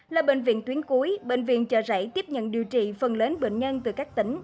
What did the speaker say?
là bệnh viện tuyến cuối bệnh viện chợ rẫy tiếp nhận điều trị phần lớn bệnh nhân từ các tỉnh